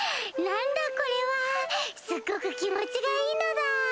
何だこれはすっごく気持ちがいいのだ！